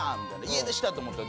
「家出したと思った」。